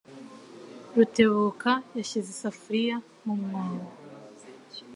Rutebuka yashyize isafuriya mu mwobo.